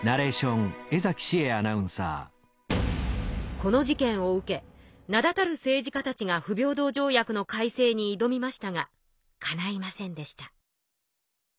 この事件を受け名だたる政治家たちが不平等条約の改正に挑みましたがかないませんでした。